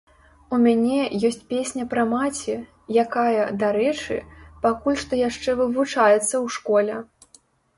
У мяне ёсць песня пра маці, якая, дарэчы, пакуль што яшчэ вывучаецца ў школе.